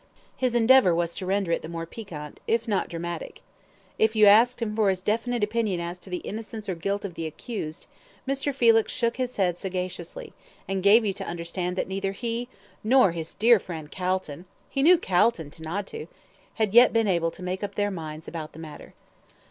His endeavour was to render it the more piquant, if not dramatic. If you asked him for his definite opinion as to the innocence or guilt of the accused, Mr. Felix shook his head sagaciously, and gave you to understand that neither he, nor his dear friend Calton he knew Calton to nod to had yet been able to make up their minds about the matter.